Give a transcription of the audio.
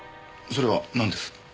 それはなんです？